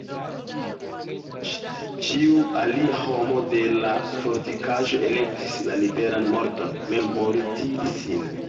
Ĉiu alia homo de la fortikaĵo elektis la liberan morton, memmortigis sin.